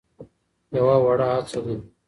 يوه وړه هڅه ده.